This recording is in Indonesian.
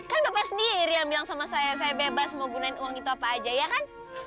kan bapak sendiri yang bilang sama saya saya bebas mau gunain uang itu apa aja ya kan